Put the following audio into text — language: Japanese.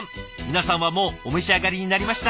皆さんはもうお召し上がりになりました？